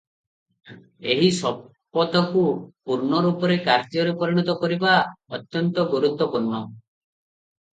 ଏହି ଶପଥକୁ ପୂର୍ଣ୍ଣରୂପରେ କାର୍ଯ୍ୟରେ ପରିଣତ କରିବା ଅତ୍ୟନ୍ତ ଗୁରୁତ୍ତ୍ୱପୂର୍ଣ୍ଣ ।